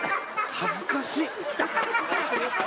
恥ずかしい